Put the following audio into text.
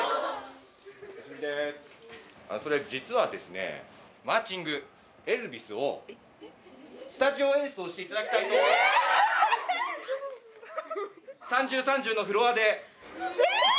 それ、実はですね、マーチングエルヴィスを、スタジオ演奏していただきたいと思ってえー！